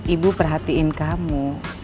ibu perhatiin kamu